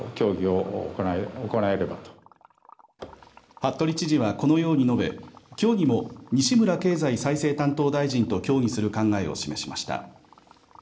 服部知事は、このように述べきょうにも西村経済再生担当大臣と協議する考えを示しました。